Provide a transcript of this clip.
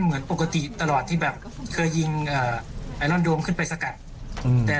เหมือนปกติตลอดที่แบบเคยยิงไอรอนดวงขึ้นไปสกัดแต่